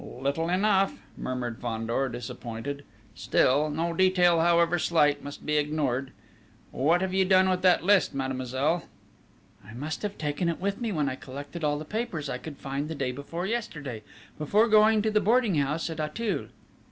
"Little enough," murmured Fandor, disappointed. "Still no detail, however slight, must be ignored!... What have you done with that list, mademoiselle?" "I must have taken it with me when I collected all the papers I could find the day before yesterday, before going to the boarding house at Auteuil."